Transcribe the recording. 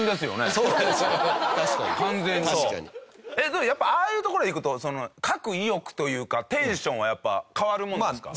でもやっぱああいう所行くと書く意欲というかテンションは変わるものですか？